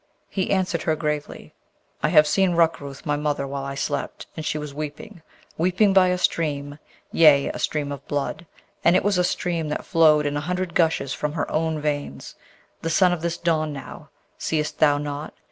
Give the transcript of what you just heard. He answered her gravely, 'I have seen Rukrooth my mother while I slept; and she was weeping, weeping by a stream, yea, a stream of blood; and it was a stream that flowed in a hundred gushes from her own veins. The sun of this dawn now, seest thou not?